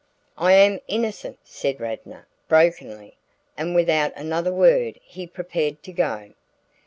"I am innocent," said Radnor, brokenly, and without another word he prepared to go.